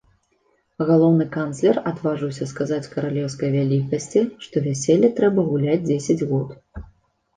Галоўны канцлер адважыўся сказаць каралеўскай вялікасці, што вяселле трэба гуляць дзесяць год.